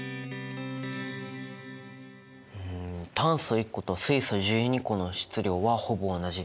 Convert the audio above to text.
うん炭素１個と水素１２個の質量はほぼ同じ。